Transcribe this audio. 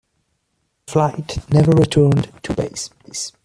The flight never returned to base.